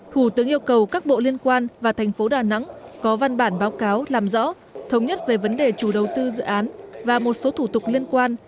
thủ tướng yêu cầu các bộ liên quan và thành phố đà nẵng có văn bản báo cáo làm rõ thống nhất về vấn đề chủ đầu tư dự án và một số thủ tục liên quan